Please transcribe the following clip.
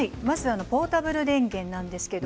ポータブル電源です。